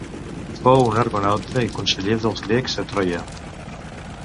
Fou un argonauta i conseller dels grecs a Troia.